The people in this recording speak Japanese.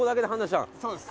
そうです。